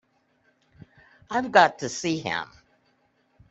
I've got to see him.